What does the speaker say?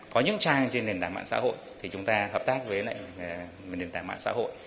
có những trang trên nền tảng mạng xã hội thì chúng ta hợp tác với nền tảng mạng xã hội